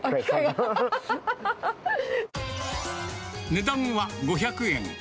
値段は５００円。